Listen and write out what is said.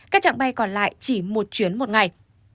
các trạng bay còn lại chỉ một chuyến một ngày